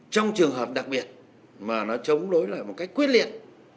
trong trường hợp đặc biệt mà nó chống đối lại một cách quyết liệt